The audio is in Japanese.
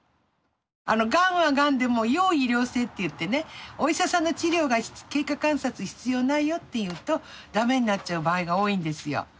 がんはがんでも要医療性っていってねお医者さんの治療が経過観察必要ないよっていうとだめになっちゃう場合が多いんですよ。